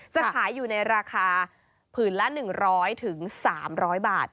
จะขายอยู่ในราคาผืนละ๑๐๐๓๐๐บาท